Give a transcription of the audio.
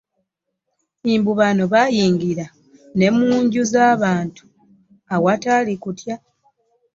Mbu bano baayingira ne mu nju z'abantu awatali kutya.